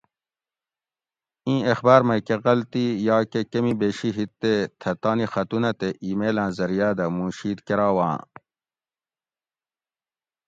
اِیں اخبار مئی کہ غلطی یا کہ کۤمی بیشی ہِیت تے تھہ تانی خطونہ تے اِیمیلاں زریعاۤ دہ مُوں شید کراواں